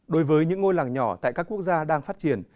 đối với những ngôi làng nhỏ tại các quốc gia đang phát triển